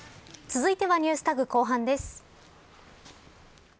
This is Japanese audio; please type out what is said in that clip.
続いてはＮｅｗｓＴａｇ後半です。